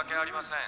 ん？